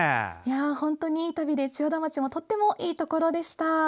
本当にいい旅で千代田町もとってもいいところでした。